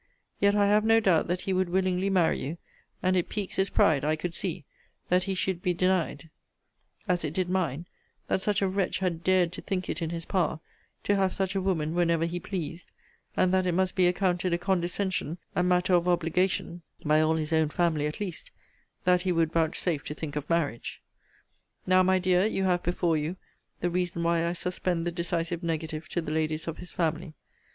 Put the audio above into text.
Yet I have no doubt that he would willingly marry you; and it piques his pride, I could see, that he should be denied; as it did mine, that such a wretch had dared to think it in his power to have such a woman whenever he pleased; and that it must be accounted a condescension, and matter of obligation (by all his own family at least) that he would vouchsafe to think of marriage. Now, my dear, you have before you the reason why I suspend the decisive negative to the ladies of his family.